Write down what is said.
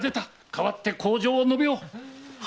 代わって口上を述べよ。